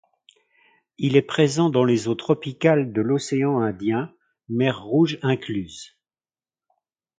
Il est présent dans les eaux tropicales de l'Océan Indien, Mer Rouge incluse.